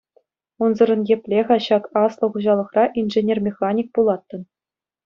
Унсӑрӑн епле-ха ҫак аслӑ хуҫалӑхра инженер-механик пулатӑн?